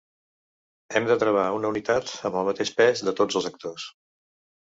Hem de travar una unitat amb el mateix pes de tots els actors.